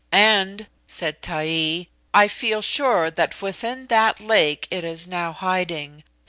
"And," said Taee, "I feel sure that within that lake it is now hiding.